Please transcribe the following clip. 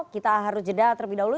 kita harus jeda terlebih dahulu